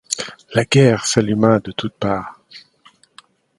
La guerre s'alluma de toutes parts.